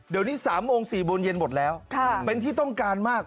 เดี๋ยวนี้๓โมง๔โมงเย็นหมดแล้วเป็นที่ต้องการมาก